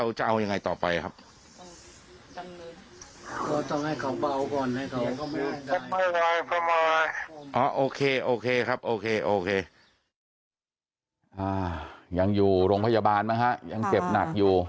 ยังอยู่โรงพยาบาลมั้งฮะยังเจ็บหนักอยู่